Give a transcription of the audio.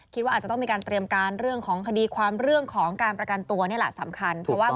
คิดว่าอาจจะต้องมีการเตรียมการเรื่องของคดีความเรื่องของการประกันตัวนี่แหละสำคัญเพราะว่า